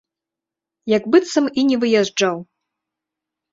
Як быццам і не выязджаў.